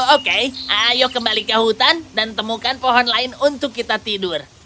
oke ayo kembali ke hutan dan temukan pohon lain untuk kita tidur